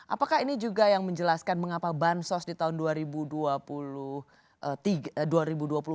apakah ini juga yang menjelaskan mengapa bansos di tahun dua ribu dua puluh